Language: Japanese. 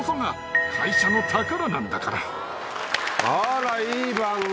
あらいい番組